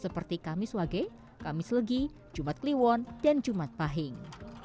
seperti kamiswage kamis legi jumat kliwon dan jumat pahing